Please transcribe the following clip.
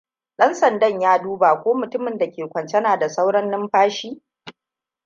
Ɗan sandan ya duba ko mutumin da ke kwance na da sauran numfashi.